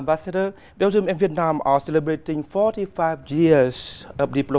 và chúng ta cũng có